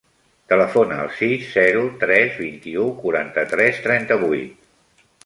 Telefona al sis, zero, tres, vint-i-u, quaranta-tres, trenta-vuit.